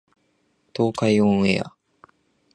東海オンエア